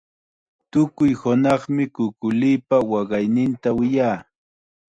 Tukuy hunaqmi kukulipa waqayninta wiyaa.